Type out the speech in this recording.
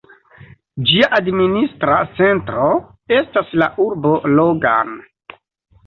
Ĝia administra centro estas la urbo Logan.